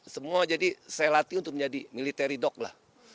semua jadi saya latih untuk menjadi military dock lah